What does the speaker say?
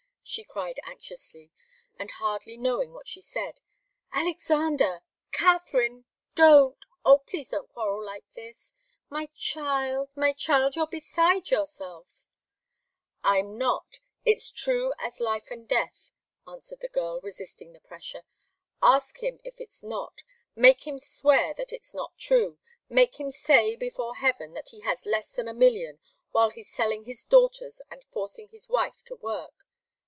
she cried, anxiously, and hardly knowing what she said. "Alexander Katharine! Don't oh, please don't quarrel like this my child, my child! You're beside yourself!" "I'm not it's true as life and death!" answered the girl, resisting the pressure. "Ask him if it's not! Make him swear that it's not true make him say, before heaven, that he has less than a million, while he's selling his daughters and forcing his wife to work.